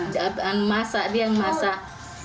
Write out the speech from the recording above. dia yang masak